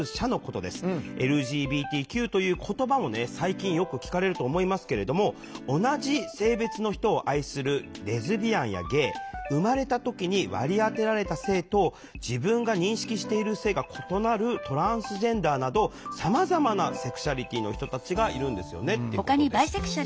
ＬＧＢＴＱという言葉もね最近よく聞かれると思いますけれども同じ性別の人を愛するレズビアンやゲイ生まれた時に割り当てられた性と自分が認識している性が異なるトランスジェンダーなどさまざまなセクシュアリティーの人たちがいるんですよねっていうことです。